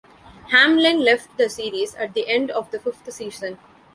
Hamlin left the series at the end of the fifth season.